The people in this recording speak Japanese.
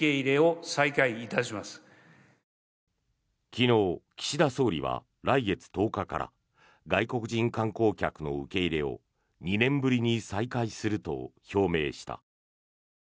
昨日、岸田総理は来月１０日から外国人観光客の受け入れを２年ぶりに再開すると表明した。